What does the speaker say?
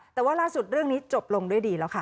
แต่ว่าล่าสุดเรื่องนี้จบลงด้วยดีแล้วค่ะ